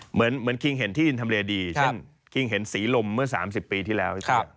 เหมือนคิงเห็นที่อินทำเลดีเช่นคิงเห็นศรีลมเมื่อ๓๐ปีที่แล้ว